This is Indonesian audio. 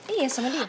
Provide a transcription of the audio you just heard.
iya sama dia